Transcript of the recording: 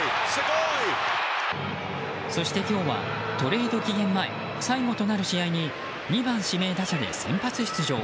そして今日はトレード期限前最後となる試合に２番指名打者で先発出場。